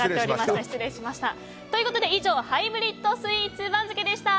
ということで、以上ハイブリッドスイーツ番付でした。